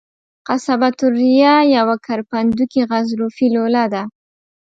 قصبة الریه یوه کرپندوکي غضروفي لوله ده.